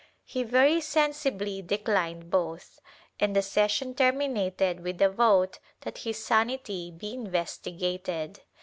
He very sensibly declined both, and the session terminated with a vote that his sanity be investigated.